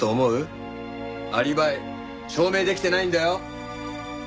アリバイ証明できてないんだよ？